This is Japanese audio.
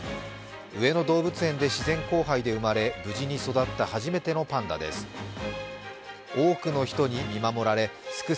上野動物園で自然交配で生まれ無事に育った初めてのパンダです。